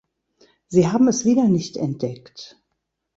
Sie haben es wieder nicht entdeckt.